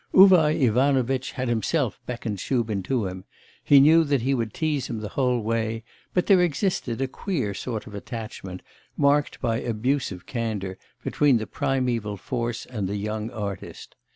Uvar Ivanovitch had himself beckoned Shubin to him; he knew that he would tease him the whole way, but there existed a queer sort of attachment, marked by abusive candour, between the 'primeval force' and the young artist.